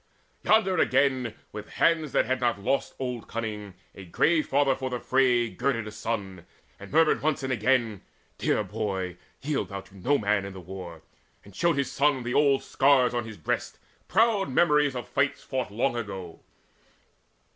Yonder again, with hands that had not lost Old cunning, a grey father for the fray Girded a son, and murmured once and again: "Dear boy, yield thou to no man in the war!" And showed his son the old scars on his breast, Proud memories of fights fought long ago.